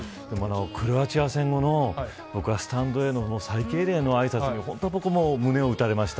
クロアチア戦後の、僕はスタンドへの最敬礼のあいさつに胸を打たれました。